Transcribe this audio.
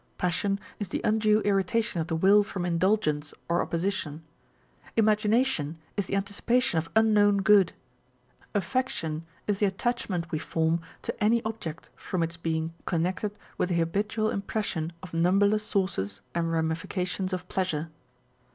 Passion is the undue irritation of the will from indulgence or opposition : imagination is the anticipation of unknown good : affection is the attachment we form to any object from its being connected with the habitual impression of numberless sources and ramifications of pleasure.